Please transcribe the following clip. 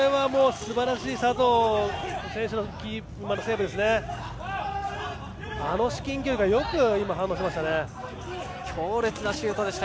すばらしい佐藤選手のセーブでした。